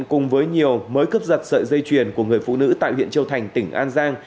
cùng với nhiều mới cướp giật sợi dây chuyền của người phụ nữ tại huyện châu thành tỉnh an giang